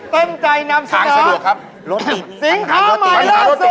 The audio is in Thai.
เต้มใจนำสนองสิงค้าใหม่รัฐสุด